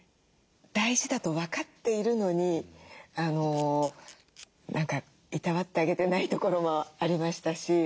大事だと分かっているのにいたわってあげてないところもありましたし。